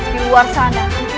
di luar sana